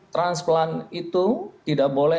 transplant itu tidak boleh